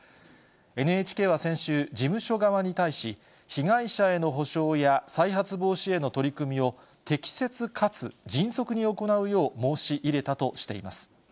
ＮＨＫは先週、事務所側に対し、被害者への補償や再発防止への取り組みを適切かつ迅速に行うよう申し入れたとしています。